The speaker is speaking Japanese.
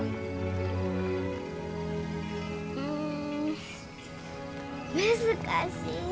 ん難しい。